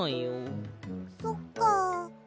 そっか。